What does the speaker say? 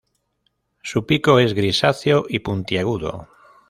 Su pico es grisáceo y puntiagudo.